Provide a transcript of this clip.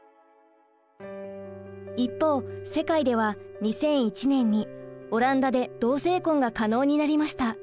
一方世界では２００１年にオランダで同性婚が可能になりました。